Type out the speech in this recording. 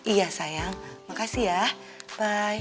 iya sayang makasih ya